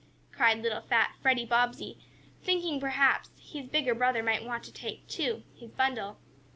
cried little fat Freddie Bobbsey, thinking perhaps his bigger brother might want to take, too, his bundle.